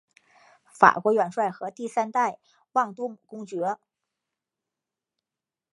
法国元帅和第三代旺多姆公爵。